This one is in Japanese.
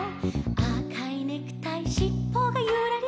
「あかいネクタイシッポがゆらり」